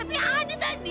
tapi ada tadi